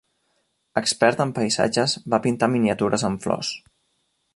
Expert en paisatges, va pintar miniatures amb flors.